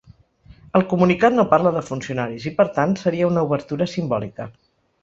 El comunicat no parla de funcionaris i per tant seria una obertura simbòlica.